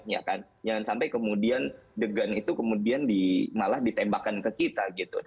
jangan sampai kemudian degan itu kemudian malah ditembakkan ke kita gitu